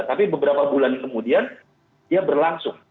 tapi beberapa bulan kemudian dia berlangsung